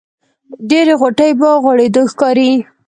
ډېرې غوټۍ په غوړېدو ښکاري.